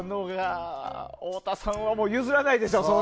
太田さんは譲らないでしょう